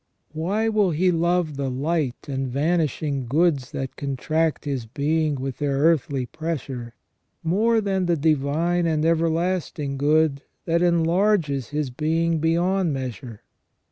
Why will he love the light and vanishing goods that contract his being with their earthly pressure, more than the divine and everlasting good, that enlarges his being beyond measure